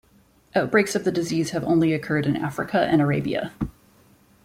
Outbreaks of the disease have only occurred in Africa and Arabia.